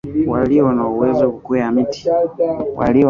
walio na uwezo wa kukwea miti